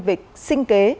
về sinh kế